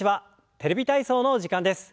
「テレビ体操」の時間です。